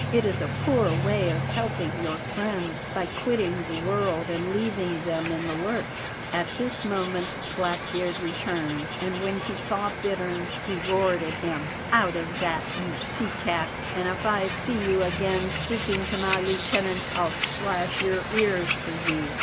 It is a poor way of helping your friends by quitting the world and leaving them in the lurch." At this moment Blackbeard returned, and when he saw Bittern he roared at him: "Out of that, you sea cat, and if I see you again speaking to my lieutenant, I'll slash your ears for you.